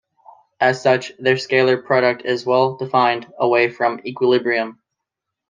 As such, their scalar product is well-defined away from equilibrium.